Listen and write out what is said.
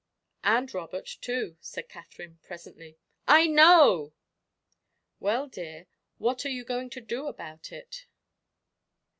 "And Robert, too," said Katherine, presently. "I know!" "Well, dear, what are you going to do about it?"